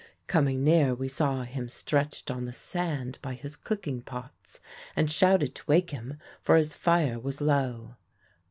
Coming near we saw him stretched on the sand by his cooking pots, and shouted to wake him, for his fire was low.